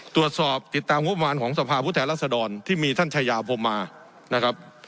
ตรวจสอบติดตามงบประมาณของสภาพุทธแหลศดรที่มีท่านชายาพมมานะครับ